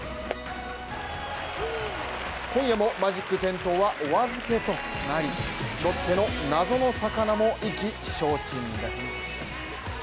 今夜もマジック点灯はお預けとなりロッテの謎の魚も意気消沈です。